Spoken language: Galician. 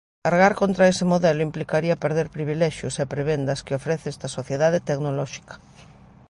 Cargar contra ese modelo implicaría perder privilexios e prebendas que ofrece esta sociedade tecnolóxica.